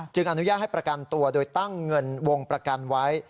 อนุญาตให้ประกันตัวโดยตั้งเงินวงประกันไว้